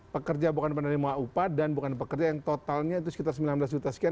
pekerja bukan penerima upah dan bukan pekerja yang totalnya itu sekitar sembilan belas juta sekian